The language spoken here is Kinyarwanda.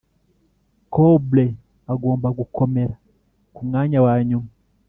cobbler agomba gukomera kumwanya wanyuma.